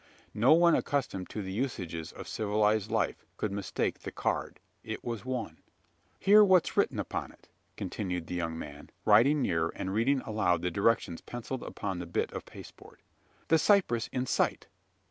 No one accustomed to the usages of civilised life could mistake the "card." It was one. "Hear what's written upon it!" continued the young man, riding nearer, and reading aloud the directions pencilled upon the bit of pasteboard. "The cypress in sight!"